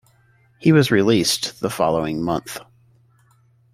He was released the following month.